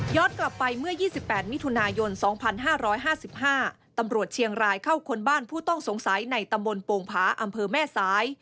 กลับไปเมื่อ๒๘มิถุนายน๒๕๕๕ตำรวจเชียงรายเข้าคนบ้านผู้ต้องสงสัยในตำบลโป่งผาอำเภอแม่สาย